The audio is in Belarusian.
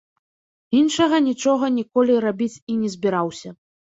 Іншага нічога ніколі рабіць і не збіраўся.